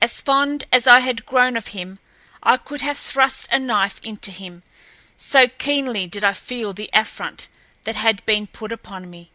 As fond as I had grown of him, I could have thrust a knife into him, so keenly did I feel the affront that had been put upon me.